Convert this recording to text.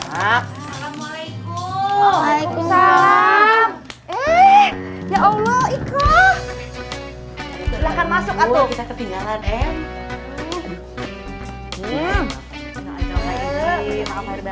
ya allah ikhlas silahkan masuk atau kita ketinggalan